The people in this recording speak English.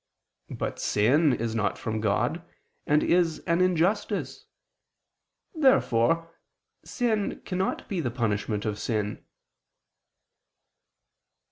But sin is not from God, and is an injustice. Therefore sin cannot be the punishment of sin.